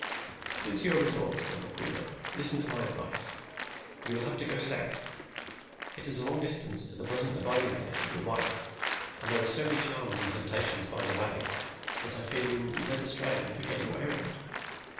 "Since you are resolved," said Bokwewa, "listen to my advice. You will have to go South. It is a long distance to the present abiding place of your wife, and there are so many charms and temptations by the way that I fear you will be led astray and forget your errand.